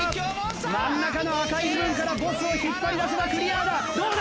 真ん中の赤い部分からボスを引っ張り出せばクリアだ！